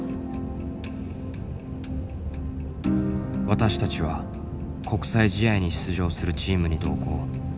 私たちは国際試合に出場するチームに同行。